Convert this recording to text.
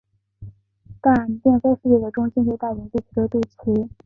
但并非世界的中心就代表地球的肚脐。